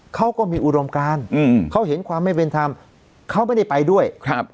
เขาก็มีอุดมการอืมเขาเห็นความไม่เป็นธรรมเขาไม่ได้ไปด้วยครับ